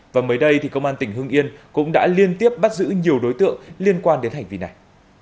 và mới đây thì công an tỉnh hưng yên cũng đã liên tiếp bắt giữ nhiều đối tượng liên quan đến hành vi này